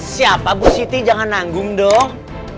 siapa bu siti jangan nanggung dong